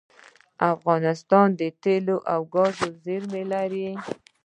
افغانستان د تیلو او ګازو زیرمې لري